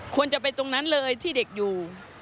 ควรจะไปตรงนั้นเลยที่เด็กอยู่